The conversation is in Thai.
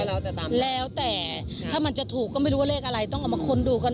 แล้วแต่ถ้ามันจะถูกก็ไม่รู้ว่าเลขอะไรต้องเอามาค้นดูก่อน